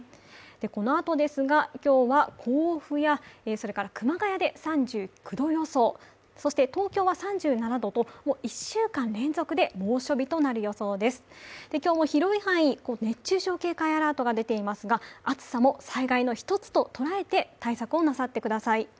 このあとですが、今日は甲府や熊谷で３９度予想、そして東京は３７度と１週間連続で猛暑日となる予想です今日も広い範囲、熱中症警戒アラートが出ていますが暑さも災害の１つと捉えて対策をなさってください。